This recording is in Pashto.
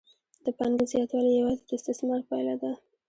د پانګې زیاتوالی یوازې د استثمار پایله ده